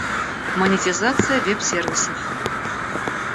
Монетизация веб-сервисов